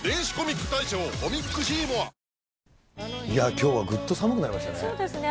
きょうはぐっと寒くなりましそうですね。